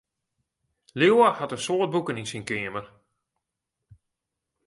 Liuwe hat in soad boeken yn syn keamer.